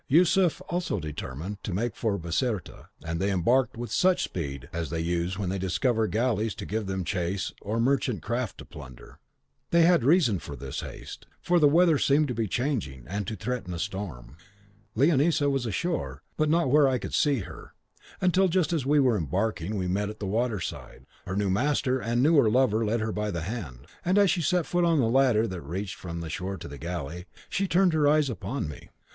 Yusuf also determined to make for Biserta, and they all embarked with as much speed as they use when they discover galleys to give them chase or merchant craft to plunder. They had reason for this haste, for the weather seemed to be changing, and to threaten a storm. "Leonisa was ashore, but not where I could see her, until just as we were embarking we met at the water side. Her new master and newer lover led her by the hand, and as she set foot on the ladder that reached from the shore to the galley, she turned her eyes upon me.